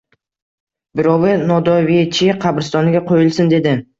Birovi, Novodeviche qabristoniga qo‘yilsin, dedi.